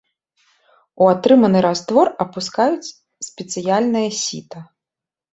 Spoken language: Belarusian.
У атрыманы раствор апускаюць спецыяльнае сіта.